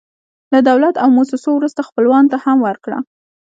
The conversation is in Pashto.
له دولت او موسسو وروسته، خپلوانو ته هم ورکړه.